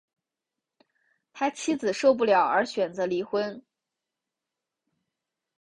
他妻子受不了而选择离婚